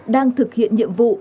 đang thực hiện nhiệm vụ